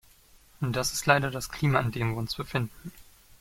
Das ist leider das Klima, in dem wir uns befinden.